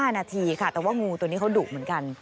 ๕นาทีค่ะแต่ว่างูตัวนี้เขาดุเหมือนกัน